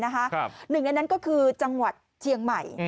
หนึ่งในนั้นก็คือจังหวัดเชียงใหม่